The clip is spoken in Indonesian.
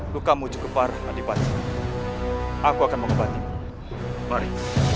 luka mu cukup parah adipati aku akan mengobati mari